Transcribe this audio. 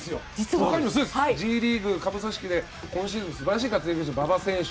他にもＢリーグ、下部組織で今シーズン素晴らしい活躍をした活躍でした、馬場選手。